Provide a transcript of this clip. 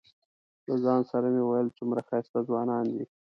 له ځان سره مې ویل څومره ښایسته ځوانان دي.